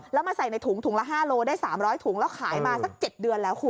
แล้วมาใส่ในถุงถุงละ๕โลได้๓๐๐ถุงแล้วขายมาสัก๗เดือนแล้วคุณ